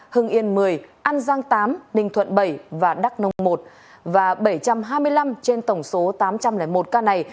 hưng yên một mươi an giang tám ninh thuận bảy và đắk nông một và bảy trăm hai mươi năm trên tổng số tám trăm linh một ca này